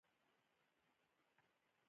بارنس هلته يو ډېر معمولي کار پيل کړ.